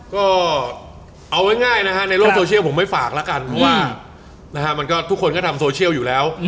ก็เอาง่ายนะฮะในโลกโซเชียลผมไม่ฝากแล้วกันเพราะว่ามันก็ทุกคนก็ทำโซเชียลอยู่แล้ว